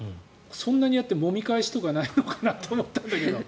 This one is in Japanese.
そんなにやって、もみ返しとかないのかなと思ったんだけど。